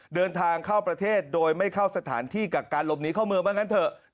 เดินทางเข้าประเทศโดยไม่เข้าสถานที่กับการหลบหนีเข้าเมืองว่างั้นเถอะ